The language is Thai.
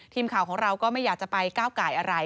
ทีมข่าวของเราก็ไม่อยากจะไปก้าวไก่อะไร